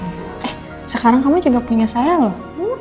eh sekarang kamu juga punya saya loh